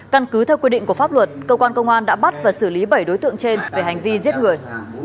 căn cứ theo quy định của pháp luật cơ quan công an đã bắt và xử lý bảy đối tượng trên về hành vi giết người